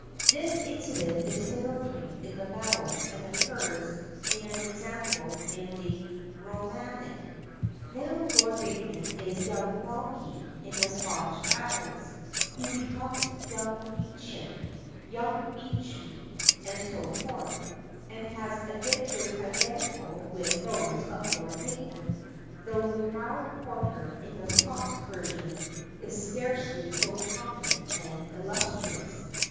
This incident is stereotyped in the ballads and occurs in an example in the Romaic. {0b} Now Lord Bateman is Young Bekie in the Scotch ballads, who becomes Young Beichan, Young Bichem, and so forth, and has adventures identical with those of Lord Bateman, though the proud porter in the Scots version is scarcely so prominent and illustrious.